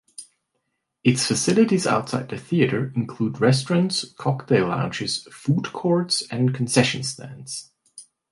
Its facilities outside the theater include restaurants, cocktail lounges, food courts, and concession stands.